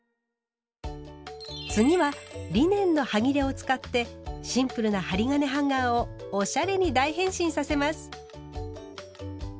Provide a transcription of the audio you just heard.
次はリネンのはぎれを使ってシンプルな針金ハンガーをおしゃれに大変身させます。